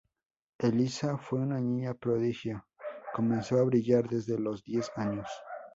Elisha fue una niña prodigio; comenzó a brillar desde los diez años.